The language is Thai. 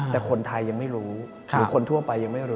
แต่คนไทยยังไม่รู้หรือคนทั่วไปยังไม่รู้